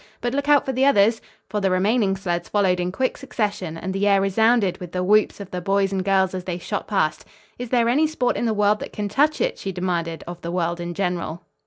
But look out for the others," for the remaining sleds followed in quick succession and the air resounded with the whoops of the boys and girls as they shot past. "Is there any sport in the world that can touch it?" she demanded of the world in general.